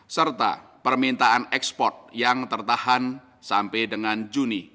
serta permintaan ekspor yang tertahan sampai dengan juni dua ribu dua puluh